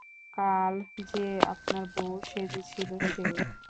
কাল যে আপনার বৌ সেজেছিল সে?